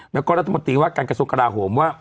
แล้วก็รัฐมนตรีว่าการกระทรวงกราโหมว่า